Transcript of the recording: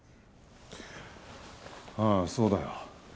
ああそうだよ